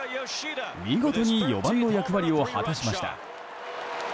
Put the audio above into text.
見事に４番の役割を果たしました。